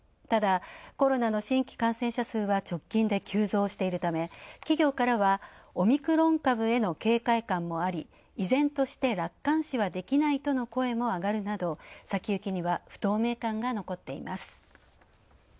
ただコロナの新規感染者数は直近で急増しているため、企業からはオミクロン株への警戒感もあり依然として楽観視はできないとの声もあがるなど、先行きには不透明感が残っています。